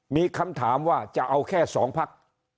มีคำถามว่าจะเอาแค่๒พัก